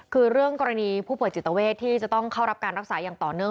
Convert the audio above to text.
คือเรื่องกรณีผู้ป่วยจิตเวทที่จะต้องเข้ารับการรักษาอย่างต่อเนื่อง